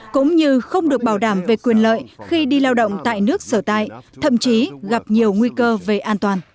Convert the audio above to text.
cũng như không được bảo đảm về quyền lợi khi đi lao động tại nước sở tại thậm chí gặp nhiều nguy cơ về an toàn